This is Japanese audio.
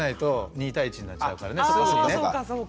２対１になっちゃうから。